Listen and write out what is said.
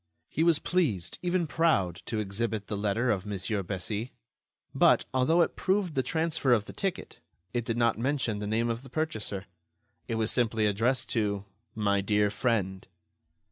He was pleased, even proud, to exhibit the letter of Mon. Bessy, but, although it proved the transfer of the ticket, it did not mention the name of the purchaser. It was simply addressed to "My Dear Friend."